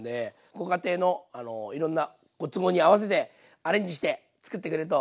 ご家庭のいろんなご都合に合わせてアレンジして作ってくれるといいと思います。